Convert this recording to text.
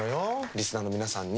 リスナーの皆さんに。